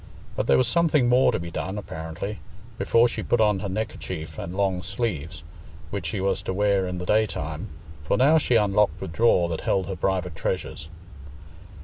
But there was something more to be done, apparently, before she put on her neckerchief and long sleeves, which she was to wear in the day time, for now she unlocked the drawer that held her private treasures.